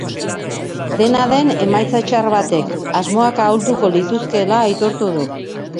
Dena den, emaitza txar batek asmoak ahulduko lituzkeela aitortu du.